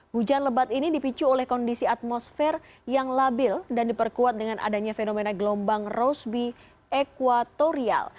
hujan lebat ini dipicu oleh kondisi atmosfer yang labil dan diperkuat dengan adanya fenomena gelombang roseby equatorial